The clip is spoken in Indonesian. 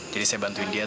jadi saya bantuin dia